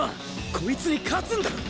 こいつに勝つんだろ！